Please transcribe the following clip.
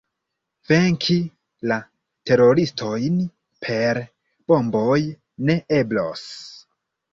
Venki la teroristojn per bomboj ne eblos.